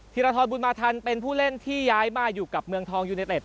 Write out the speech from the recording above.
รทรบุญมาทันเป็นผู้เล่นที่ย้ายมาอยู่กับเมืองทองยูเนเต็ด